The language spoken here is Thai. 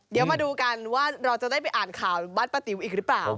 เดี๋ยวมาดูกันว่าเราจะได้ไปอ่านข่าวบ้านป้าติ๋วอีกหรือเปล่า